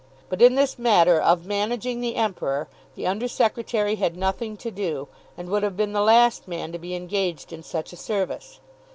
But in this matter of managing the Emperor, the under secretary had nothing to do, and would have been the last man to be engaged in such a service.